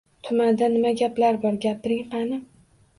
— Tumanda nima gaplar bor, gapiring, qani?